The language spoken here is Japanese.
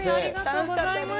楽しかったです。